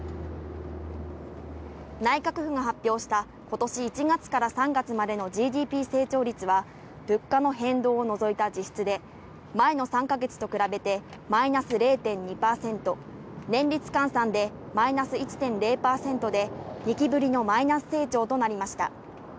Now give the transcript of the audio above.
内閣府が発表した今年１月から３月までのＧＤＰ成長率は物価の変動を除いた実質で、前の３か月と比べてマイナス０．２％、年率換算でマイナス１．０％で、２期ぶりのマイナス成長となりました。